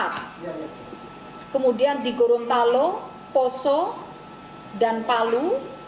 kemudian digorontalo poso dan palu